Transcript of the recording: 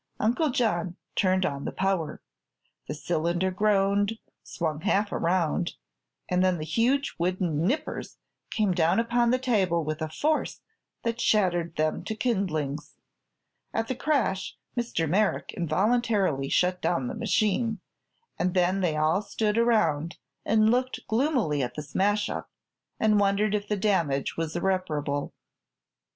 Uncle John turned on the power. The cylinder groaned, swung half around, and then the huge wooden "nippers" came down upon the table with a force that shattered them to kindlings. At the crash Mr. Merrick involuntarily shut down the machine, and then they all stood around and looked gloomily at the smash up and wondered if the damage was irreparable.